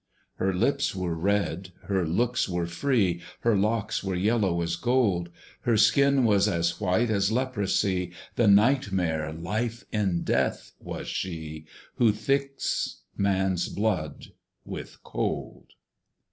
Her lips were red, her looks were free, Her locks were yellow as gold: Her skin was as white as leprosy, The Night Mare LIFE IN DEATH was she, Who thicks man's blood with cold.